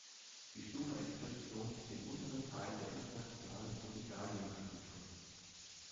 Die Stufe entspricht somit dem unteren Teil der internationalen Burdigalium-Stufe.